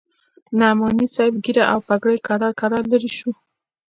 د نعماني صاحب ږيره او پګړۍ کرار کرار لرې سوې.